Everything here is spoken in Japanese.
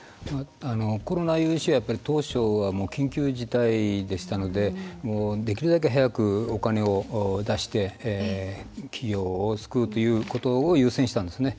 コロナ融資は、やっぱり当初は、緊急事態でしたのでできるだけ早くお金を出して企業を救うということを優先したんですね。